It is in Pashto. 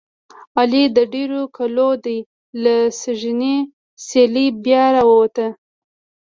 علي د ډېرو کلو دی. له سږنۍ څېلې بیا را ووت.